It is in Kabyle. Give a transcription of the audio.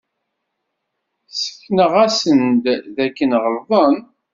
Ssekneɣ-asen-d dakken ɣelḍen.